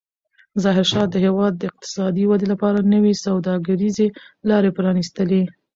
ظاهرشاه د هېواد د اقتصادي ودې لپاره نوې سوداګریزې لارې پرانستلې.